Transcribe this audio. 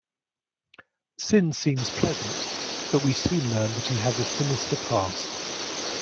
Syn seems pleasant but we soon learn that he has a sinister past.